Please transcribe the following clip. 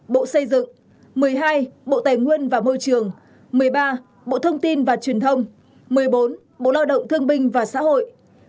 một mươi bốn bộ lao động thương binh và xã hội